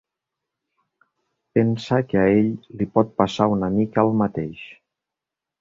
Pensa que a ell li pot passar una mica el mateix.